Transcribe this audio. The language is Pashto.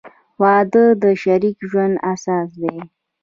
• واده د شریک ژوند اساس دی.